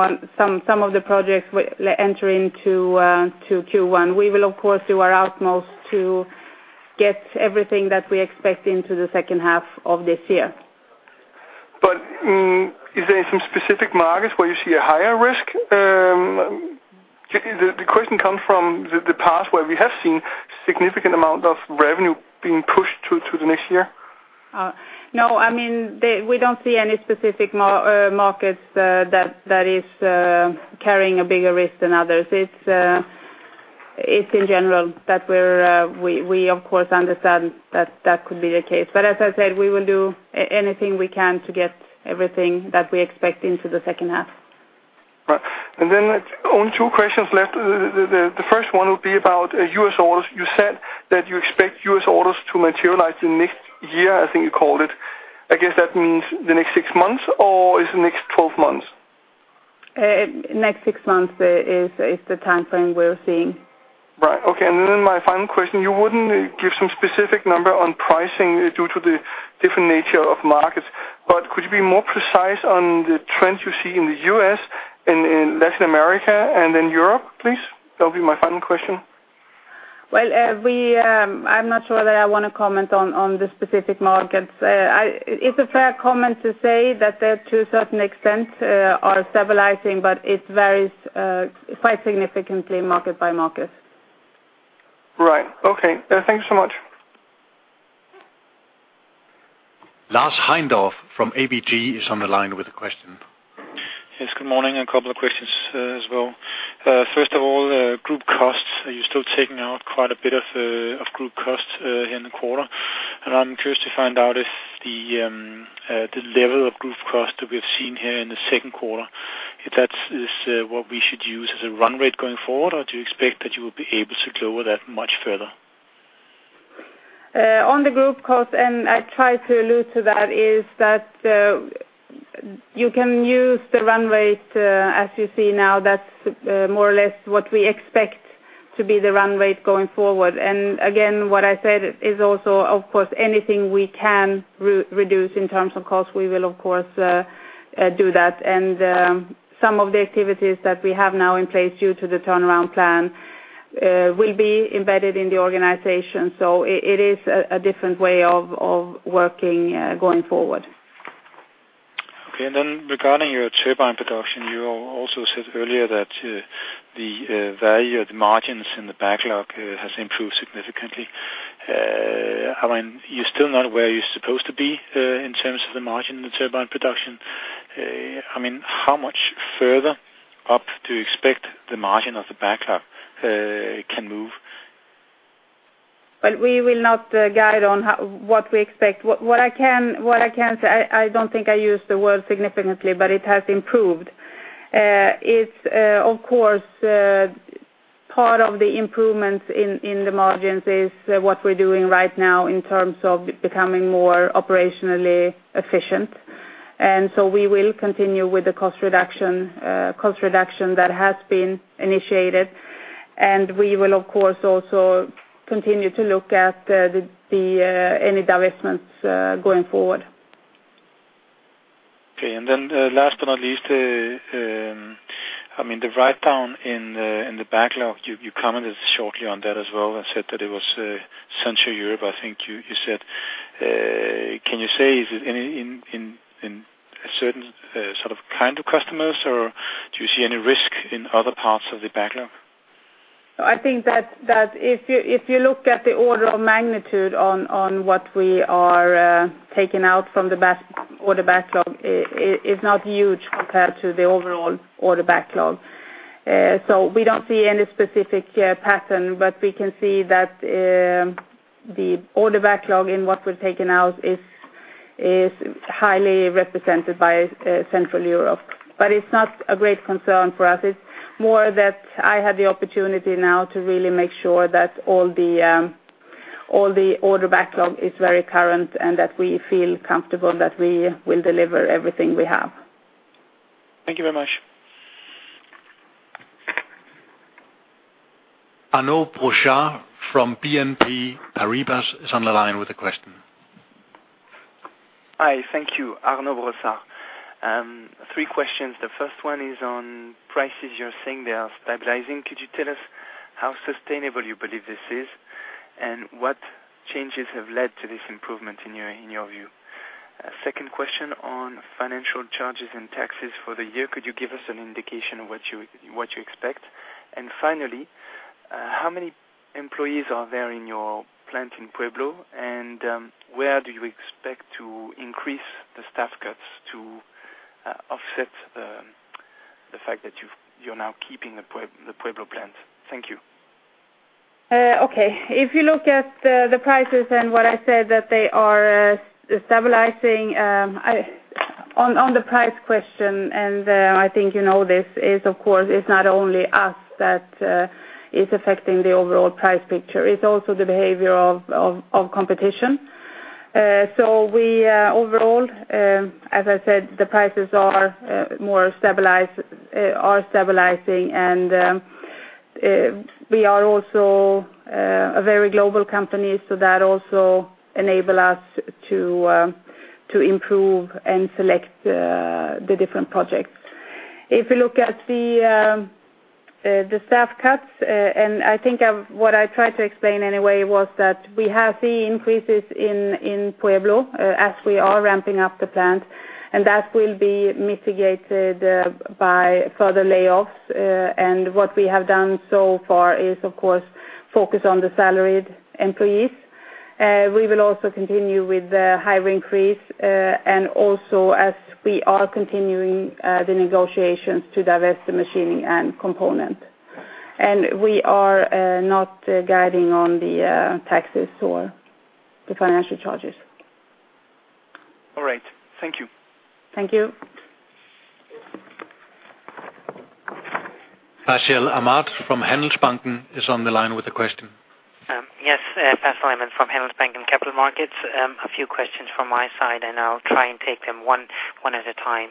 Speaker 10: of the projects will enter into Q1. We will, of course, do our utmost to get everything that we expect into the second half of this year. But, is there some specific markets where you see a higher risk? The question comes from the past where we have seen significant amount of revenue being pushed to the next year. No. I mean, we don't see any specific markets that are carrying a bigger risk than others. It's in general that we, of course, understand that that could be the case. But as I said, we will do anything we can to get everything that we expect into the second half. Right. And then only 2 questions left. The first one would be about U.S. orders. You said that you expect U.S. orders to materialize in next year, I think you called it. I guess that means the next 6 months, or is it the next 12 months? Next 6 months is the time frame we're seeing.
Speaker 13: Right. Okay. And then my final question, you wouldn't give some specific number on pricing due to the different nature of markets. But could you be more precise on the trends you see in the US and in Latin America and then Europe, please? That would be my final question.
Speaker 10: Well, we, I'm not sure that I want to comment on, on the specific markets. It's a fair comment to say that they're, to a certain extent, are stabilizing, but it varies, quite significantly market by market.
Speaker 13: Right. Okay. Thank you so much.
Speaker 1: Lars Heindorff from ABG is on the line with a question.
Speaker 14: Yes. Good morning. A couple of questions, as well. First of all, group costs, are you still taking out quite a bit of, of group costs, here in the quarter?
Speaker 10: And I'm curious to find out if the level of group costs that we have seen here in the second quarter, if that is what we should use as a run rate going forward, or do you expect that you will be able to lower that much further? On the group costs, and I tried to allude to that, is that you can use the run rate as you see now. That's more or less what we expect to be the run rate going forward. And again, what I said is also, of course, anything we can reduce in terms of costs, we will, of course, do that. And some of the activities that we have now in place due to the turnaround plan, will be embedded in the organization. So it is a different way of working, going forward. Okay. And then regarding your turbine production, you also said earlier that the value of the margins in the backlog has improved significantly. I mean, you're still not where you're supposed to be, in terms of the margin in the turbine production. I mean, how much further up do you expect the margin of the backlog can move? Well, we will not guide on how what we expect. What, what I can say is, I don't think I used the word significantly, but it has improved. It's, of course, part of the improvements in the margins is what we're doing right now in terms of becoming more operationally efficient. And so we will continue with the cost reduction, cost reduction that has been initiated. And we will, of course, also continue to look at the any divestments going forward.
Speaker 14: Okay. And then, last but not least, I mean, the write-down in the backlog, you commented shortly on that as well and said that it was Central Europe, I think you said. Can you say is it any in a certain sort of kind of customers, or do you see any risk in other parts of the backlog?
Speaker 10: I think that if you look at the order of magnitude on what we are taking out from the order backlog, it is not huge compared to the overall order backlog. So we don't see any specific pattern. But we can see that the order backlog in what we're taking out is highly represented by Central Europe. But it's not a great concern for us. It's more that I had the opportunity now to really make sure that all the order backlog is very current and that we feel comfortable that we will deliver everything we have.
Speaker 14: Thank you very much.
Speaker 1: Arnaud Brossard from BNP Paribas is on the line with a question.
Speaker 15: Hi. Thank you, Arnaud Brossard. Three questions. The first one is on prices. You're saying they are stabilizing. Could you tell us how sustainable you believe this is and what changes have led to this improvement in your view? Second question on financial charges and taxes for the year. Could you give us an indication of what you expect? And finally, how many employees are there in your plant in Pueblo? And where do you expect to increase the staff cuts to offset the fact that you're now keeping the Pueblo plant? Thank you.
Speaker 10: Okay. If you look at the prices and what I said that they are stabilizing, on the price question and I think you know this is of course it's not only us that is affecting the overall price picture. It's also the behavior of competition. So overall, as I said, the prices are more stabilizing. We are also a very global company, so that also enables us to improve and select the different projects. If you look at the staff cuts, and I think what I tried to explain anyway was that we have seen increases in Pueblo, as we are ramping up the plant. That will be mitigated by further layoffs. What we have done so far is of course focus on the salaried employees. We will also continue with the hire increase, and also as we are continuing the negotiations to divest the machining and component. And we are not guiding on the taxes or the financial charges.
Speaker 16: All right. Thank you.
Speaker 1: Thank you. Paschel Amad from Handelsbanken Capital Markets is on the line with a question. Yes. Paschel Amad from Handelsbanken Capital Markets.
Speaker 17: A few questions from my side, and I'll try and take them one at a time.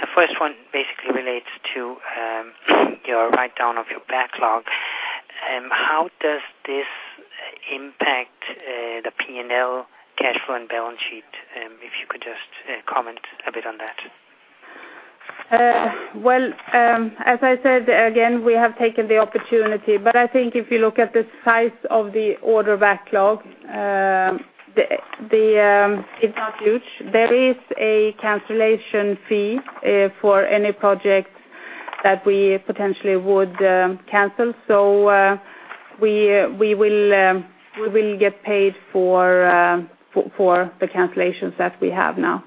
Speaker 17: The first one basically relates to your write-down of your backlog. How does this impact the P&L, cash flow, and balance sheet, if you could just comment a bit on that?
Speaker 10: Well, as I said again, we have taken the opportunity. But I think if you look at the size of the order backlog, it's not huge. There is a cancellation fee for any project that we potentially would cancel. So, we will get paid for the cancellations that we have now.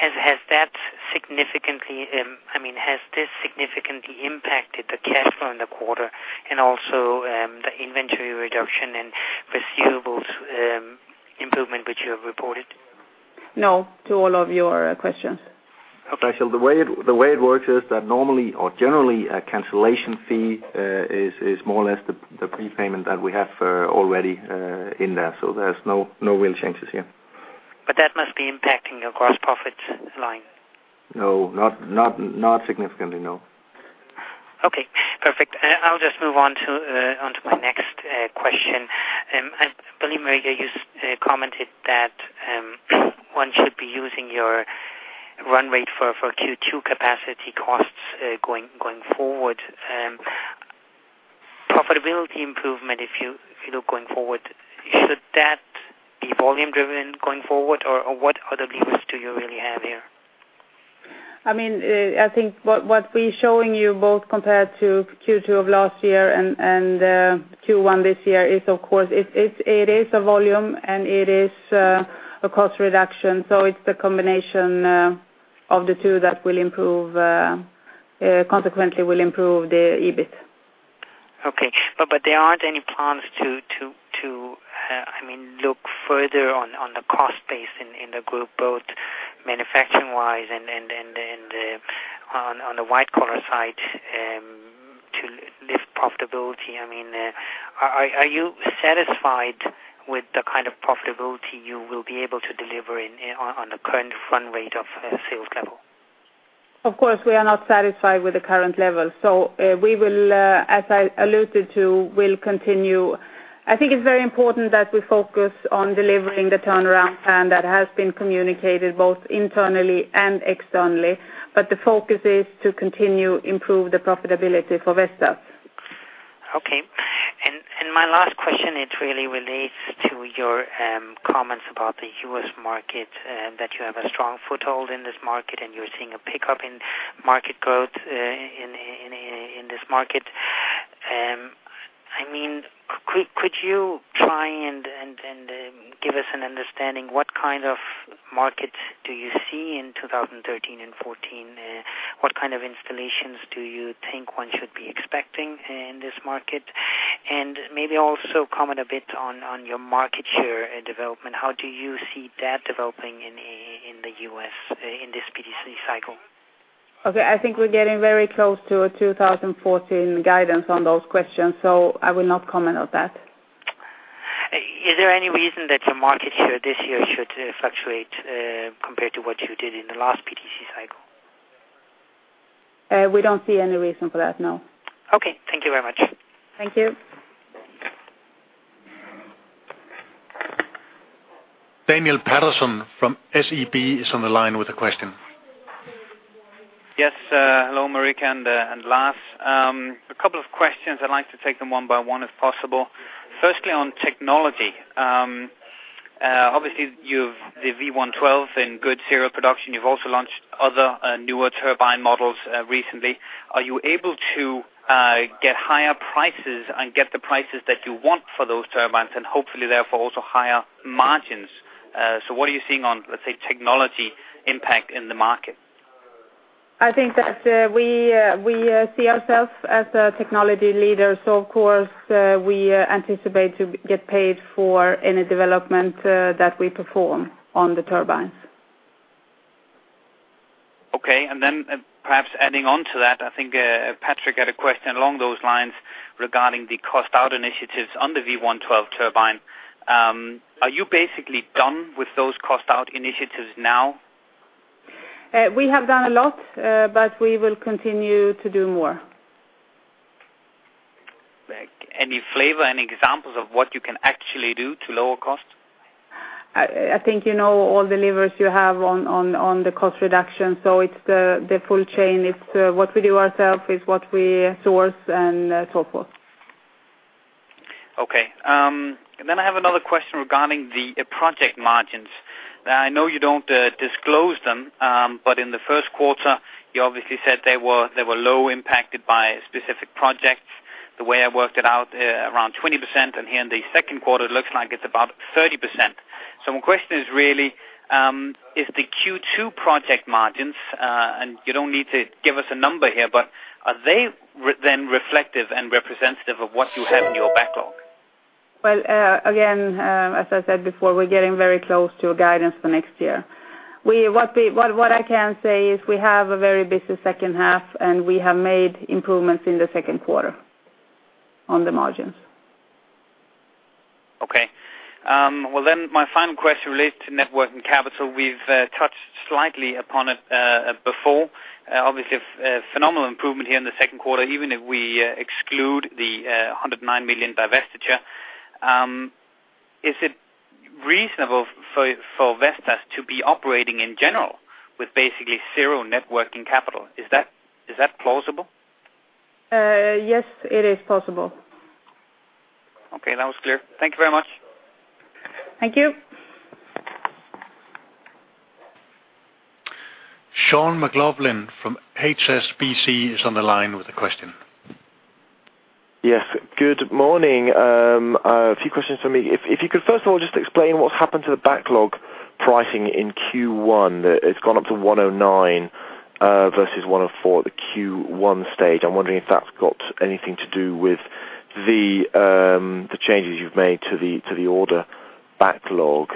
Speaker 10: Has that significantly—I mean, has this significantly impacted the cash flow in the quarter and also the inventory reduction and receivables improvement which you have reported?
Speaker 17: No. To all of your questions.
Speaker 10: Okay. So the way it works is that normally or generally, a cancellation fee is more or less the prepayment that we have already in there. So there's no real changes here. But that must be impacting your gross profits line? No. Not significantly. No.
Speaker 17: Okay. Perfect. I'll just move on to my next question. I believe, Marika, you commented that one should be using your run rate for Q2 capacity costs going forward. profitability improvement, if you look going forward, should that be volume-driven going forward, or what other levers do you really have here?
Speaker 10: I mean, I think what we're showing you both compared to Q2 of last year and Q1 this year is, of course, it's a volume, and it is a cost reduction. So it's the combination of the two that will improve, consequently will improve the EBIT.
Speaker 17: Okay. But there aren't any plans to, I mean, look further on the cost base in the group, both manufacturing-wise and on the white-collar side, to lift profitability. I mean, are you satisfied with the kind of profitability you will be able to deliver in on the current run rate of sales level?
Speaker 10: Of course. We are not satisfied with the current level. So, we will, as I alluded to, we'll continue. I think it's very important that we focus on delivering the turnaround plan that has been communicated both internally and externally. But the focus is to continue improve the profitability for Vestas.
Speaker 17: Okay. And my last question really relates to your comments about the U.S. market, that you have a strong foothold in this market and you're seeing a pickup in market growth in this market. I mean, could you try and give us an understanding what kind of markets do you see in 2013 and 2014? What kind of installations do you think one should be expecting in this market? And maybe also comment a bit on your market share development. How do you see that developing in the US, in this PTC cycle?
Speaker 10: Okay. I think we're getting very close to a 2014 guidance on those questions, so I will not comment on that. Is there any reason that your market share this year should fluctuate, compared to what you did in the last PTC cycle? We don't see any reason for that.
Speaker 17: No. Okay. Thank you very much.
Speaker 10: Thank you. Daniel Patterson from SEB is on the line with a question. Yes. Hello, Marika and Lars. A couple of questions. I'd like to take them one by one if possible. Firstly, on technology. Obviously, you've the V112 in good serial production. You've also launched other, newer turbine models, recently. Are you able to get higher prices and get the prices that you want for those turbines and hopefully, therefore, also higher margins? So what are you seeing on, let's say, technology impact in the market? I think that we see ourselves as a technology leader. So, of course, we anticipate to get paid for any development that we perform on the turbines.
Speaker 3: Okay. And then, perhaps adding on to that, I think Patrick had a question along those lines regarding the cost-out initiatives on the V112 turbine. Are you basically done with those cost-out initiatives now? We have done a lot, but we will continue to do more. Like, any flavor, any examples of what you can actually do to lower cost? I think you know all the levers you have on the cost reduction. So it's the full chain. It's what we do ourselves is what we source and so forth.
Speaker 4: Okay. Then I have another question regarding the project margins.
Speaker 10: Now, I know you don't disclose them, but in the first quarter, you obviously said they were low impacted by specific projects. The way I worked it out, around 20%. And here in the second quarter, it looks like it's about 30%. So my question is really, is the Q2 project margins and you don't need to give us a number here, but are they then reflective and representative of what you have in your backlog? Well, again, as I said before, we're getting very close to a guidance for next year. What I can say is we have a very busy second half, and we have made improvements in the second quarter on the margins.
Speaker 4: Okay. Well, then my final question relates to net working capital. We've touched slightly upon it before.
Speaker 10: Obviously, a phenomenal improvement here in the second quarter, even if we exclude the 109 million divestiture. Is it reasonable for Vestas to be operating in general with basically zero net working capital?
Speaker 4: Is that plausible?
Speaker 10: Yes. It is possible.
Speaker 4: Okay. That was clear. Thank you very much.
Speaker 1: Thank you. Sean McLoughlin from HSBC is on the line with a question. Yes. Good morning. A few questions for me. If you could, first of all, just explain what's happened to the backlog pricing in Q1. It's gone up to 109, versus 104 at the Q1 stage. I'm wondering if that's got anything to do with the changes you've made to the order backlog.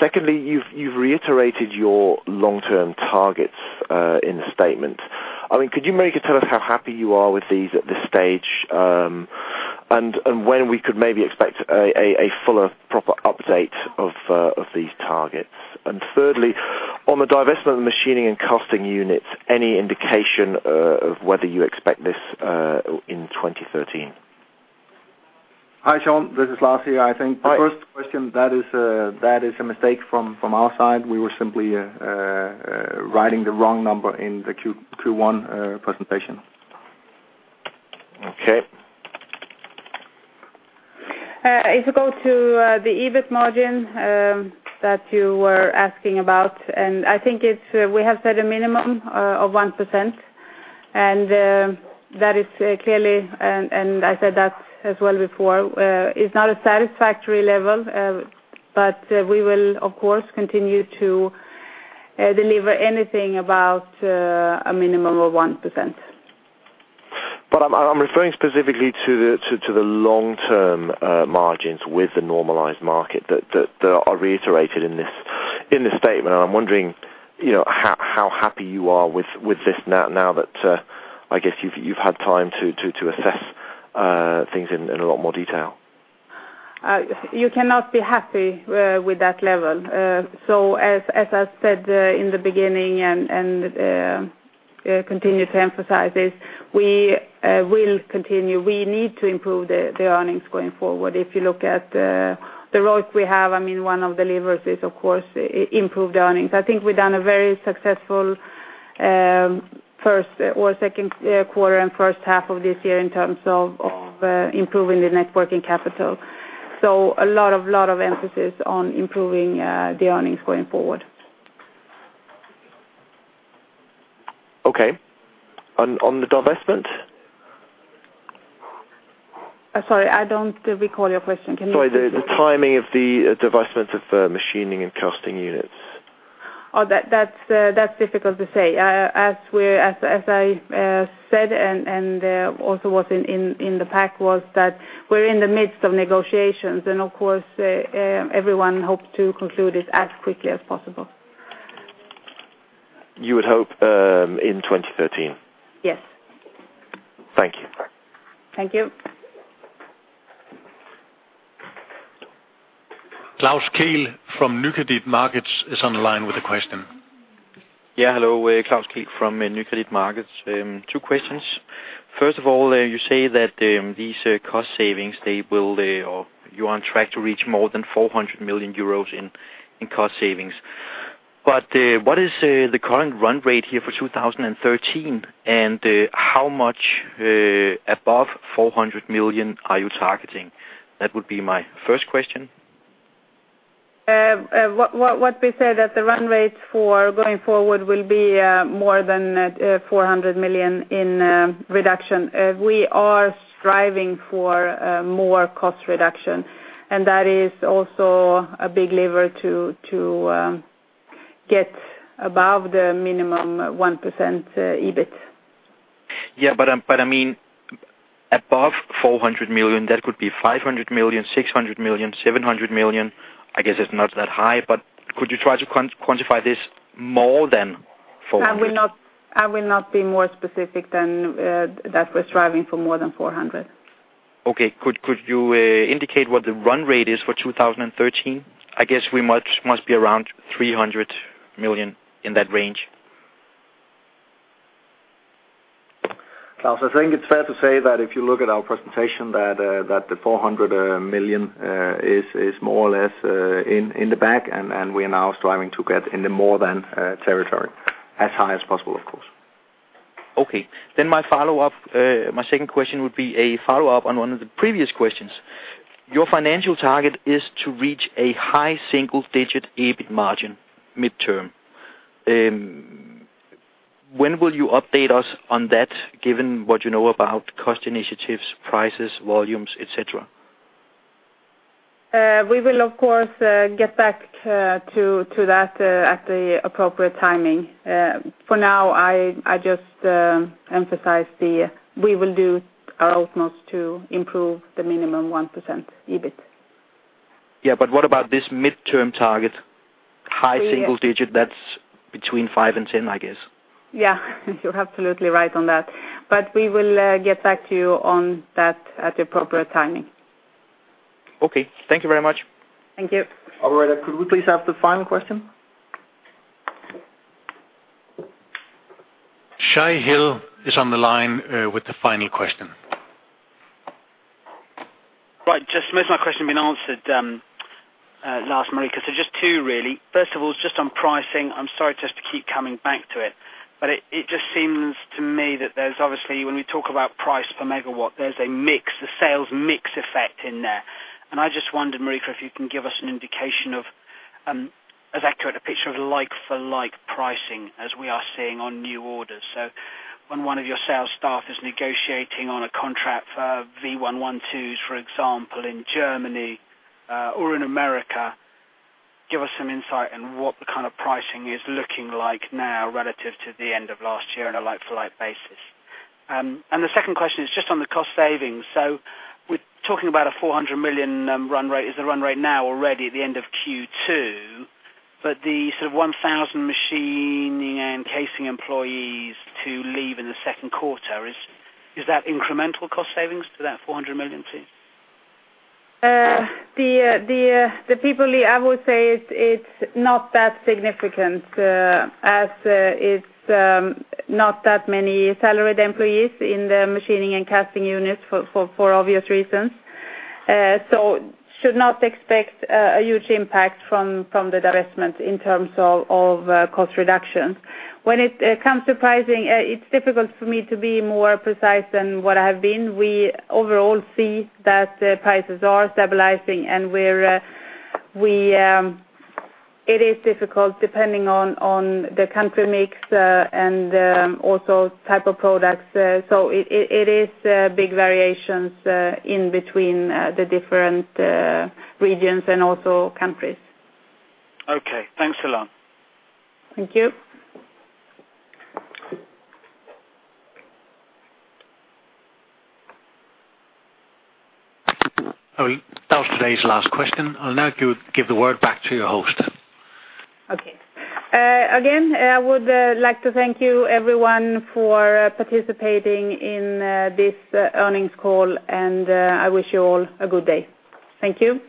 Speaker 1: Secondly, you've reiterated your long-term targets in the statement.
Speaker 10: I mean, could you, Marika, tell us how happy you are with these at this stage, and when we could maybe expect a fuller, proper update of these targets? And thirdly, on the divestment of machining and casting units, any indication of whether you expect this in 2013? Hi, Sean. This is Lars here. I think the first question that is a mistake from our side. We were simply writing the wrong number in the Q1 presentation. Okay. If you go to the EBIT margin that you were asking about, and I think it's we have set a minimum of 1%. And that is clearly and I said that as well before is not a satisfactory level, but we will of course continue to deliver anything above a minimum of 1%. But I'm referring specifically to the long-term margins with the normalized market that are reiterated in this statement. And I'm wondering, you know, how happy you are with this now that, I guess you've had time to assess things in a lot more detail. You cannot be happy with that level. So as I said in the beginning and continue to emphasize this, we will continue. We need to improve the earnings going forward. If you look at the ROIC we have, I mean, one of the levers is, of course, improve the earnings. I think we've done a very successful first or second quarter and first half of this year in terms of improving the net working capital. So a lot of emphasis on improving the earnings going forward. Okay. On the divestment? Sorry. I don't recall your question. Can you? Sorry. The timing of the divestment of machining and casting units? Oh, that's difficult to say. As I said, and also was in the pack, was that we're in the midst of negotiations. And, of course, everyone hopes to conclude it as quickly as possible. You would hope in 2013? Yes. Thank you. Thank you. Klaus Kehl from Nykredit Markets is on the line with a question. Yeah. Hello. Klaus Kehl from Nykredit Markets. Two questions. First of all, you say that these cost savings, they will or you are on track to reach more than 400 million euros in cost savings. But what is the current run rate here for 2013, and how much above 400 million are you targeting? That would be my first question. What we said that the run rate for going forward will be more than 400 million in reduction. We are striving for more cost reduction. And that is also a big lever to get above the minimum 1% EBIT. Yeah. But I mean, above 400 million, that could be 500 million, 600 million, 700 million. I guess it's not that high. But could you try to quantify this more than 400? I will not be more specific than that we're striving for more than 400. Okay. Could you indicate what the run rate is for 2013? I guess we must be around 300 million in that range. Lars, I think it's fair to say that if you look at our presentation, that the 400 million is more or less in the back. We are now striving to get into the more-than territory as high as possible, of course. Okay. Then my follow-up, my second question would be a follow-up on one of the previous questions. Your financial target is to reach a high single-digit EBIT margin mid-term. When will you update us on that given what you know about cost initiatives, prices, volumes, etc.? We will, of course, get back to that at the appropriate timing. For now, I just emphasize that we will do our utmost to improve the minimum 1% EBIT. Yeah. But what about this mid-term target, high single-digit that's between 5%-10%, I guess? Yeah. You're absolutely right on that. But we will get back to you on that at the appropriate timing. Okay. Thank you very much. Thank you. All right. Could we please have the final question? Shai Hill is on the line, with the final question. Right. Just to make sure my question's been answered, Lars, Marika. So just two, really. First of all, just on pricing. I'm sorry to have to keep coming back to it. But it, it just seems to me that there's obviously when we talk about price per megawatt, there's a mix, a sales mix effect in there. And I just wondered, Marika, if you can give us an indication of, as accurate a picture of like-for-like pricing as we are seeing on new orders. So when one of your sales staff is negotiating on a contract for V112s, for example, in Germany, or in America, give us some insight on what the kind of pricing is looking like now relative to the end of last year on a like-for-like basis. And the second question is just on the cost savings. So we're talking about a 400 million run rate. Is the run rate now already at the end of Q2? But the sort of 1,000 machining and casting employees to leave in the second quarter, is that incremental cost savings to that 400 million, please? The people leave, I would say it's not that significant, as it's not that many salaried employees in the machining and casting units for obvious reasons. So should not expect a huge impact from the divestment in terms of cost reductions. When it comes to pricing, it's difficult for me to be more precise than what I have been. We overall see that prices are stabilizing. And we, it is difficult depending on the country mix, and also type of products. So it is big variations in between the different regions and also countries. Okay. Thanks, Elan. Thank you. Oh, Lars, today's last question. I'll now give the word back to your host. Okay. Again, I would like to thank you, everyone, for participating in this earnings call. I wish you all a good day. Thank you.